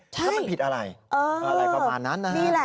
เพราะมันผิดอะไรกว่ามานั้นนะครับพอเรียบรับ